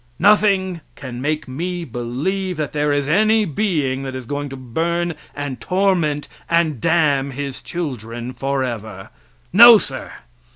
Nothing can make me believe that there is any being that is going to burn and torment and damn his children forever. No, sir!